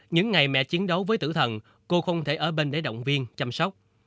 những ngày mẹ chiến đấu với tử thần cô không thể ở bên để động viên chăm sóc